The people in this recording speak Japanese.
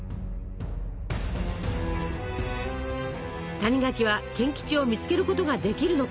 谷垣は賢吉を見つけることができるのか。